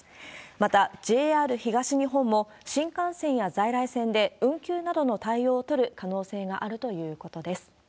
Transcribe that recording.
また、ＪＲ東日本も、新幹線や在来線で運休などの対応を取る可能性があるということです。